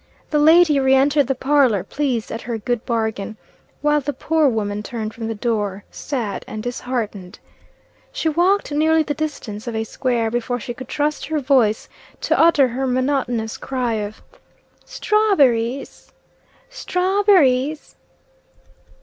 The lady re entered the parlor, pleased at her good bargain, while the poor woman turned from the door sad and disheartened. She walked nearly the distance of a square before she could trust her voice to utter her monotonous cry of "Strawb'rees! Strawb'_rees!